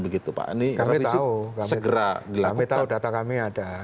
kami tahu data kami ada